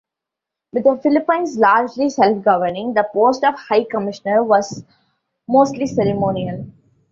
With the Philippines largely self-governing, the post of high commissioner was mostly ceremonial.